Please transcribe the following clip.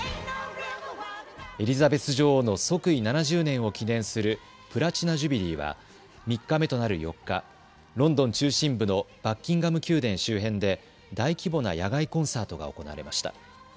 エリザベス女王の即位７０年を記念するプラチナ・ジュビリーは３日目となる４日、ロンドン中心部のバッキンガム宮殿周辺で大規模な野外コンサートが行われました。